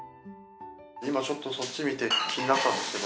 今ちょっとそっち見て気になったんですけど。